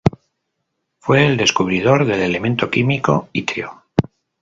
Fue el descubridor del elemento químico itrio.